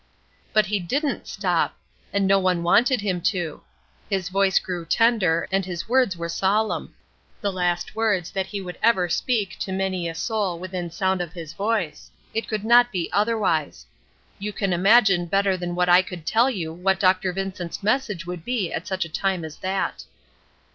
But he didn't "stop," and no one wanted him to. His voice grew tender, and his words were solemn. The last words that he would ever speak to many a soul within sound of his voice; it could not be otherwise. You can imagine better than I could tell you what Dr. Vincent's message would be at such a time as that.